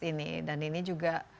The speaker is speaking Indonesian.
ini dan ini juga